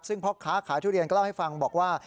ซึ่งพ่อค้าขายทุเรียนก็เล่าให้ฟังบอกว่า